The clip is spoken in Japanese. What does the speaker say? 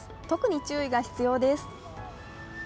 特に注意が必要です。